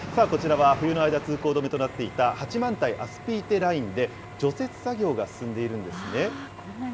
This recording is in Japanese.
こちらは冬の間、通行止めとなっていた八幡平アスピーテラインで、除雪作業が進んでいるんですね。